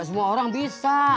semua orang bisa